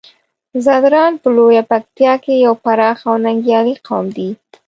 ځدراڼ په لويه پکتيا کې يو پراخ او ننګيالی قوم دی.